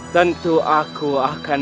tentu aku akan memberikan